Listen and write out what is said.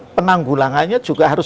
penanggulangannya juga harus